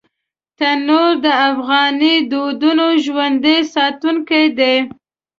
تنور د افغاني دودونو ژوندي ساتونکی دی